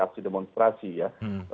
aksi demonstrasi ya